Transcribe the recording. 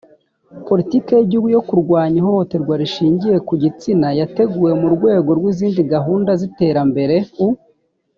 politiki y igihugu yo kurwanya ihohoterwa rishingiye ku gitsina yateguwe mu rwego rw izindi gahunda z iterambere u